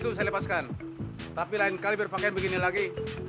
tidak ada orang yang membunuh diri